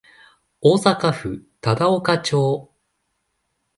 大阪府忠岡町